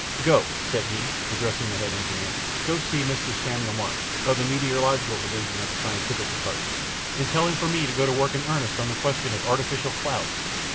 Go," said he, addressing the head engineer, "go see Mr. Samuel Mark, of the meteorological division of the scientific department, and tell him for me to go to work in earnest on the question of artificial clouds.